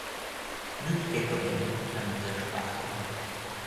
Nur die Gecko-Engine kann mit dieser Sprache umgehen.